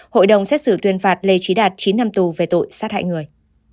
hội đồng xét xử tuyên phạt lê trí đạt chín năm tù về tội sát hại người